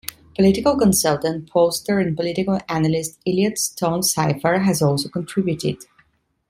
Political consultant, pollster, and political analyst Elliott Stonecipher has also contributed.